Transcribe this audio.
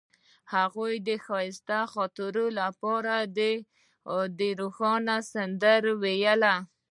هغې د ښایسته خاطرو لپاره د روښانه سهار سندره ویله.